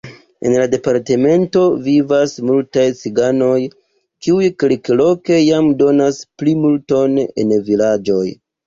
En la departemento vivas multaj ciganoj, kiuj kelkloke jam donas plimulton en vilaĝoj.